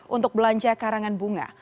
untuk belanja karangan bunga